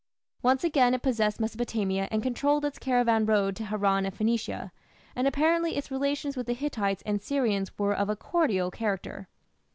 Once again it possessed Mesopotamia and controlled its caravan road to Haran and Phoenicia, and apparently its relations with the Hittites and Syrians were of a cordial character.